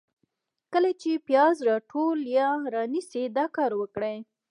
کله چي پیاز راټول یا رانیسئ ، دا کار وکړئ: